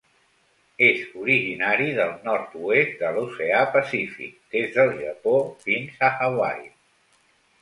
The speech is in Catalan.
És originari del nord-oest de l'oceà Pacífic, des del Japó fins a Hawaii.